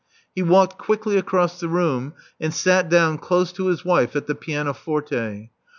He walked quickly across the room, and sat down close to his wife at the pianoforte.